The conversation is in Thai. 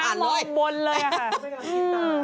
พี่ม้ามองบนเลยอะค่ะ